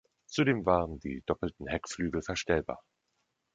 Zudem waren die doppelten Heckflügel verstellbar.